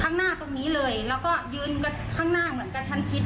ข้างหน้าตรงนี้เลยแล้วก็ยืนข้างหน้าเหมือนกระชั้นชิด